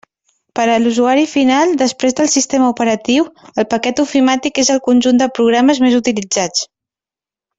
Per a l'usuari final, després del sistema operatiu, el paquet ofimàtic és el conjunt de programes més utilitzats.